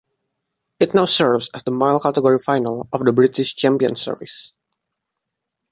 It now serves as the mile-category final of the British Champions Series.